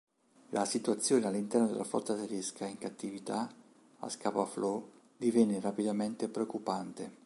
La situazione all'interno della flotta tedesca in cattività a Scapa Flow divenne rapidamente preoccupante.